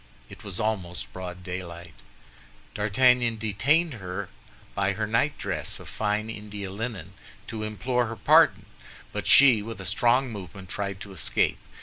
It was almost broad daylight. D'Artagnan detained her by her night dress of fine India linen, to implore her pardon; but she, with a strong movement, tried to escape.